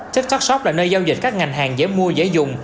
tiktok shop là nơi giao dịch các ngành hàng dễ mua dễ dùng